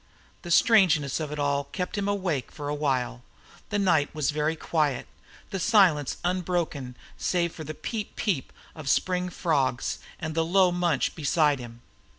The strangeness of it all kept him awake for a while. The night was very quiet, the silence being unbroken save for the "peep, peep," of spring frogs and the low munch beside him.